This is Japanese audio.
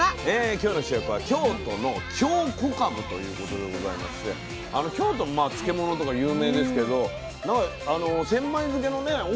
今日の主役は京都の京こかぶということでございまして京都漬物とか有名ですけど千枚漬のね大きいかぶ。